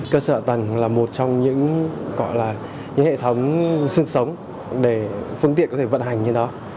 cơ sở tầng là một trong những hệ thống sương sống để phương tiện có thể vận hành như đó